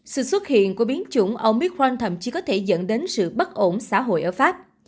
sự xuất hiện của biến chủng omitral thậm chí có thể dẫn đến sự bất ổn xã hội ở pháp